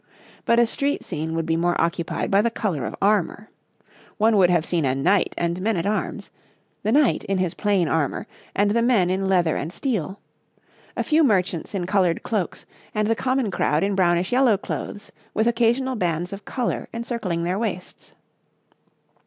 But a street scene would be more occupied by the colour of armour. One would have seen a knight and men at arms the knight in his plain armour and the men in leather and steel; a few merchants in coloured cloaks, and the common crowd in brownish yellow clothes with occasional bands of colour encircling their waists.